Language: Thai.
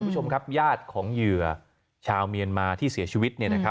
คุณผู้ชมครับญาติของเหยื่อชาวเมียนมาที่เสียชีวิต